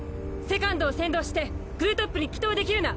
Ⅱを先導してグルトップに帰投できるな？